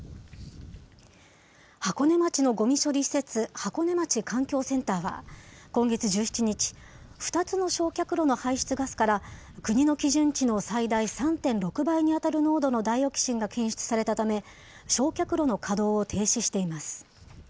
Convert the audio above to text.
箱根町のごみ処理施設、箱根町環境センターは、今月１７日、２つの焼却炉の排出ガスから、国の基準値の最大３．６倍に当たる濃度のダイオキシンが検出されたため、焼却炉の稼働を停止しています。